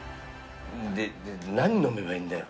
で何飲めばいいんだよ？